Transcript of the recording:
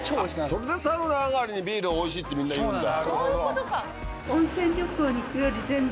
それでサウナ上がりにビールが美味しいってみんな言うんだ。